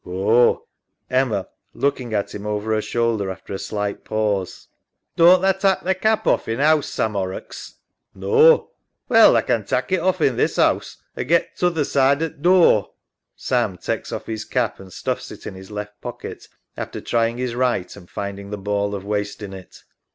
SAM. Oh ! EMMA (looking at him over her shoulder after a slight pause). Doan't tha tak' thy cap off in 'ouse, Sam Horrocks? SAM, Naw. EMMA. Well, tha can tak' it off in this 'ouse or get t' other side o' door. SAM (takes off his cap and stuffs it in his left pocket after trying his right and finding the ball of waste in it).